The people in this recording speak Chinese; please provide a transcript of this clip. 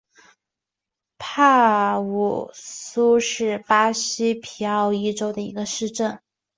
帕武苏是巴西皮奥伊州的一个市镇。